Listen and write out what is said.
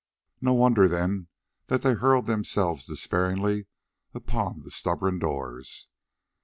No wonder, then, that they hurled themselves despairingly upon the stubborn doors.